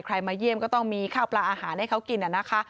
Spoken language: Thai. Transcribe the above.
มาเยี่ยมก็ต้องมีข้าวปลาอาหารให้เขากินนะคะ